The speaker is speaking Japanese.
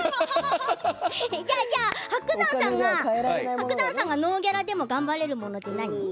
伯山さんがノーギャラで頑張れるものって何？